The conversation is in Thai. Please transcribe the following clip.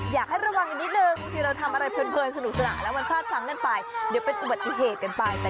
อยากให้ระวังอีกนิดนึงบางทีเราทำอะไรเพลินสนุกสนานแล้วมันพลาดพลั้งกันไปเดี๋ยวเป็นอุบัติเหตุกันไป